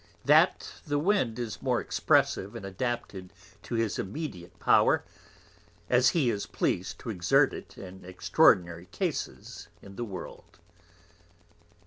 That the Wind is more expressive and adapted to his Immediate Power, as he is pleas'd to exert it in extraordinary Cases in the World.